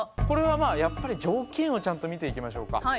これはまあやっぱり条件をちゃんと見ていきましょうか。